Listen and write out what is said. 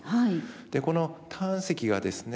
でこの胆石がですね